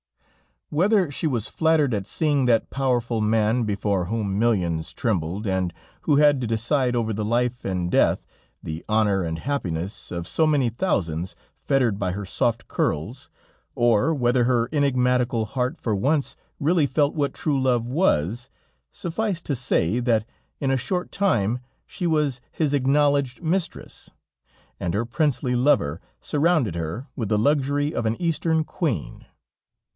Whether she was flattered at seeing that powerful man, before whom millions trembled, and who had to decide over the life and death, the honor and happiness of so many thousands, fettered by her soft curls, or whether her enigmatical heart for once really felt what true love was, suffice it to say, that in a short time she was his acknowledged mistress, and her princely lover surrounded her with the luxury of an Eastern queen.